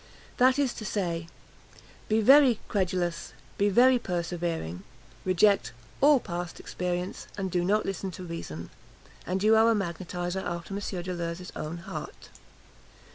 That is to say, "be very credulous; be very persevering; reject all past experience, and do not listen to reason," and you are a magnetiser after M. Deleuze's own heart.